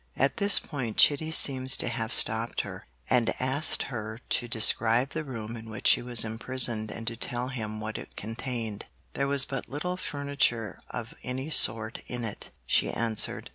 At this point Chitty seems to have stopped her, and asked her to describe the room in which she was imprisoned and to tell him what it contained. There was but little furniture of any sort in it, she answered.